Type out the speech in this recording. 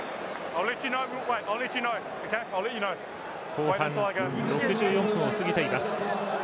後半６４分を過ぎています。